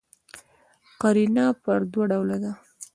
قرینه پر دوه ډوله ده.